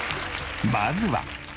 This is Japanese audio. まずは。